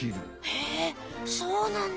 へえそうなんだ。